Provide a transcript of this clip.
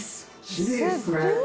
きれいですね！